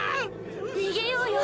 逃げようよ！